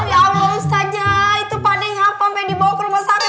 ya allah ustazah itu pak d yang apa mp dibawa ke rumah sakit